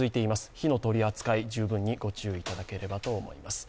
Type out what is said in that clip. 火の取り扱い、十分気をつけていただければと思います。